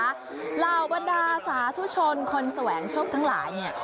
เหล่าบรรดาสาธุชนคนแสวงโชคทั้งหลายเนี่ย